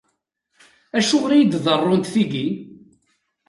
Acuɣer i yi-d-ḍerrunt tigi?